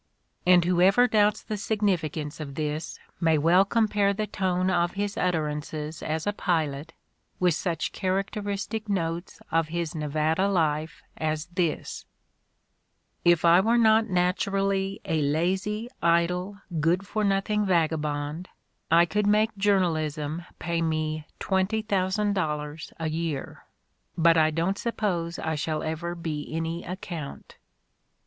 And whoever doubts the significance of this may well compare the tone of his utterances as a pilot with such characteristic notes of his Nevada life as this: "If I were not naturally a lazy, idle, good for nothing vagabond I could make [journalism] pay me $20,000 a year. But I don't suppose I shall ever be any ac count."